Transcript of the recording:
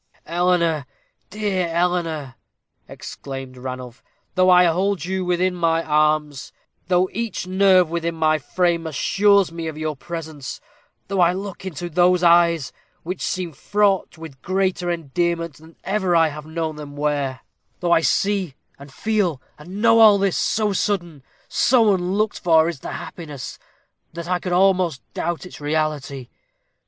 "Eleanor, dear Eleanor," exclaimed Ranulph, "though I hold you within my arms though each nerve within my frame assures me of your presence though I look into those eyes, which seem fraught with greater endearment than ever I have known them wear though I see and feel and know all this, so sudden, so unlooked for is the happiness, that I could almost doubt its reality.